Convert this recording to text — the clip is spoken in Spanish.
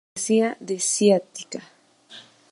Además, padecía de ciática.